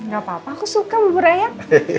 gak apa apa aku suka bubur ayam